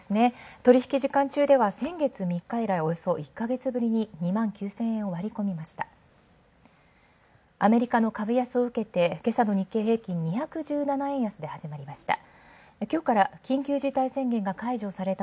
取引時間中では先月３日以来およそ１ヶ月ぶりに２万９０００円を割り込みました。